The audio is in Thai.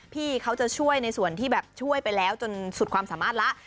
พี่เขาจะช่วยในส่วนที่แบบช่วยไปแล้วจนสุดความสามารถแล้ว